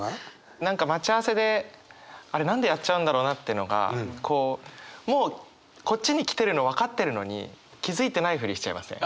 何か待ち合わせであれ何でやっちゃうんだろうなっていうのがこうもうこっちに来てるの分かってるのに気付いてないふりしちゃいません？